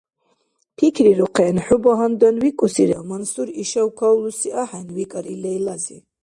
— Пикрирухъен, хӀу багьандан викӀусира, Мансур ишав кавлуси ахӀен, — викӀар ил Лейлази.